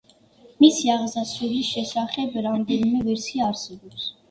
მისი აღსასრულის შესახებ რამდენიმე ვერსია არსებობს.